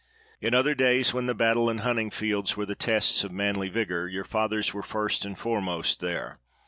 In other days, when the battle and the hunt ing fields were the tests of manly vigor, your fathers were first and foremost there.